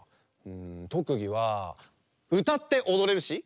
とくぎはうたっておどれるし。